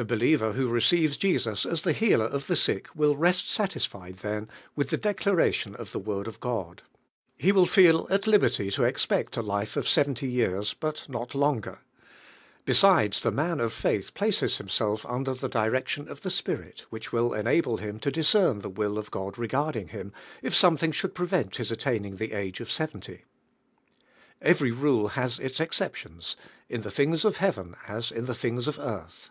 The believer who receives Jesus as the Healer of the sick will rest satisfied then with the declaration of the Word of God. He will feel ait liberty to expect a lHe of seventy years, but not longer. Tie sides, the man of faith places himself un der the direction of the Spirit, which will enmWe him to discern the will of Qud re garding 'him, it something should prevent bis attaining the age of seventy. Every ru!e has its exceptions, in the things of heaven as in the things of earth.